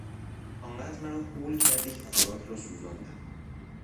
آنقدر مرا هول کردی که خوراک را سوزاندم!